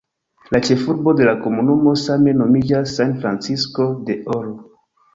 La ĉefurbo de la komunumo same nomiĝas "San Francisco del Oro".